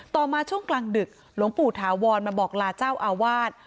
มาช่วงกลางดึกหลวงปู่ถาวรมาบอกลาเจ้าอาวาส